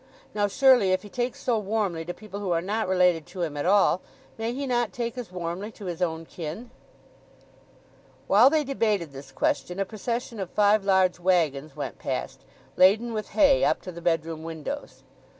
Now, surely, if he takes so warmly to people who are not related to him at all, may he not take as warmly to his own kin?" While they debated this question a procession of five large waggons went past, laden with hay up to the bedroom windows.